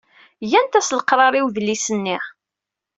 Gant-as leqrar i udlis-nni.